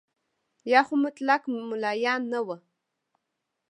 یا خو مطلق ملایان نه وو.